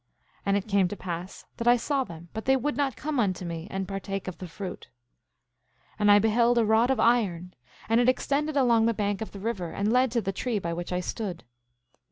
8:18 And it came to pass that I saw them, but they would not come unto me and partake of the fruit. 8:19 And I beheld a rod of iron, and it extended along the bank of the river, and led to the tree by which I stood.